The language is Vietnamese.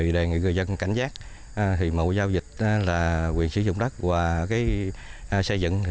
đề nghị người dân cảnh giác mẫu giao dịch là quyền sử dụng đất và xây dựng